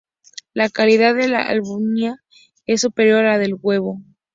La calidad de la albúmina es superior a la del huevo.